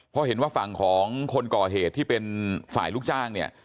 เพราะเห็นว่าฝั่งของคนก่อเหตุที่เป็นฝ่ายลูกจ้างเนี่ย